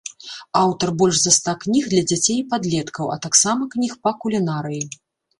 Аўтар больш за ста кніг для дзяцей і падлеткаў, а таксама кніг па кулінарыі.